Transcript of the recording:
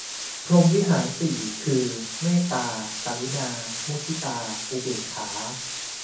พรหมวิหารสี่ คือ เมตตา กรุณา มุทิตา อุเบกขา